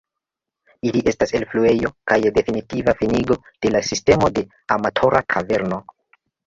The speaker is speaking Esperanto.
Ili estas elfluejo kaj definitiva finigo de la sistemo de Amatora kaverno.